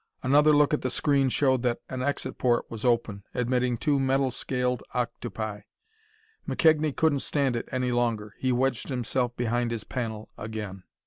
Another look at the screen showed that an exit port was open, admitting two metal scaled octopi. McKegnie couldn't stand it any longer: he wedged himself behind his panel again.